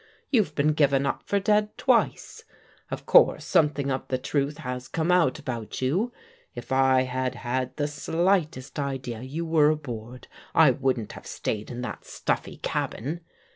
You've been given up for dead twice. Of course something of the truth has come out about you. If I had had the slightest idea you were aboard, I wouldn't have stayed in that stuffy cabin.